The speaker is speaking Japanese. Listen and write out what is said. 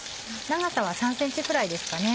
長さは３ｃｍくらいですかね。